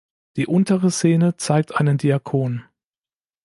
Die untere Szene zeigt einen Diakon.